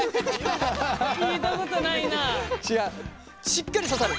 しっかり刺さる